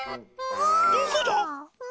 どこだ？え？